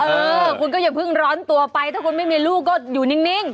เออคุณก็อย่าเพิ่งร้อนตัวไปถ้าคุณไม่มีลูกก็อยู่นิ่ง